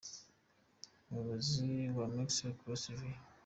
Umuyobozi wa Maersk , Claus V.